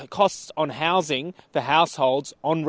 kostomu yang tertinggi di luar negara